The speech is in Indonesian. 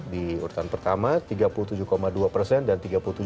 di urutan pertama tiga puluh tujuh dua persen dan tiga puluh tujuh dua puluh